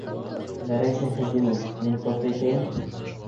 Гәрәй Шәйхетдинович, мин тост әйтәйем.